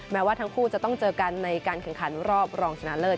แม้ว่าทั้งคู่จะต้องเจอกันในการแข่งขันรอบรองชนะเลิศ